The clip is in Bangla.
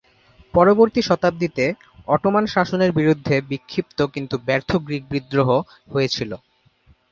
পরবর্তী শতাব্দীতে, অটোমান শাসনের বিরুদ্ধে বিক্ষিপ্ত কিন্তু ব্যর্থ গ্রীক বিদ্রোহ হয়েছিল।